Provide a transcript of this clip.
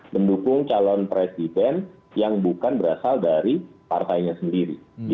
mendukung calon presiden yang bukan berasal dari partainya sendiri